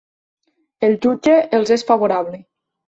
El jutge els és favorable.